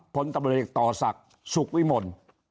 ผลพลตบเศรษฐ์ต่อศักดิ์สุกวิมล์